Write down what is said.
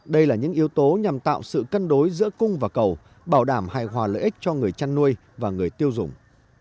đây là những yếu tố nhằm tạo sự cân đối giữa cung và cầu bảo đảm hài hòa lợi ích cho người chăn nuôi và người tiêu dùng